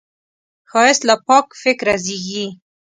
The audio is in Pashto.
ښایست له پاک فکره زېږي